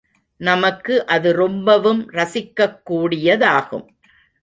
நமக்கு அது ரொம்பவும் ரசிக்கக் கூடியதாகும்.